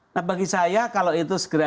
nah bagi saya kalau itu segera